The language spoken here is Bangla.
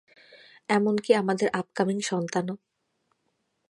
এমনকি আমাদের আপকামিং সন্তানও।